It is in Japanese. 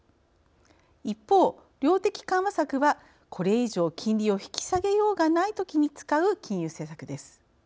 一方量的緩和策はこれ以上金利を引き下げようがないときに使う金融政策です。